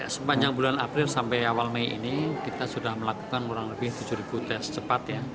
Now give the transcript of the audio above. sepanjang bulan april sampai awal mei ini kita sudah melakukan kurang lebih tujuh tes cepat ya